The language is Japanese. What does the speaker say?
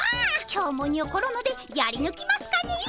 今日もにょころのでやりぬきますかねえ。